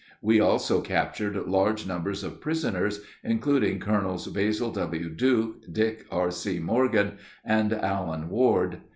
We also captured large numbers of prisoners, including Colonels Basil [W.] Duke, Dick [R.C.] Morgan, and Allen [Ward?